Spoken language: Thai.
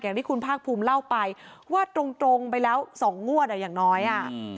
อย่างที่คุณภาคภูมิเล่าไปว่าตรงไปแล้วสองงวดอ่ะอย่างน้อยอ่ะ